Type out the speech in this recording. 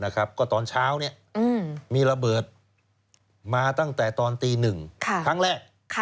ก็ตอนเช้ามีระเบิดมาตั้งแต่ตอนตี๑ครั้งแรก